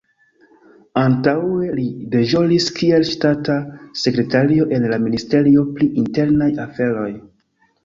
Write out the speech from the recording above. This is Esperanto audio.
Antaŭe li deĵoris kiel ŝtata sekretario en la Ministerio pri internaj aferoj.